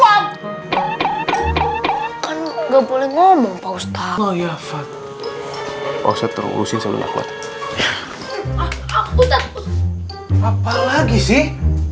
hai kan nggak boleh ngomong posta oh ya fad oset terusin seluruh kuat apa lagi sih